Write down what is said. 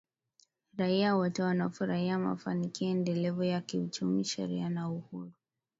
raia wote wanafurahia mafanikio endelevu ya kiuchumi, sheria na uhuru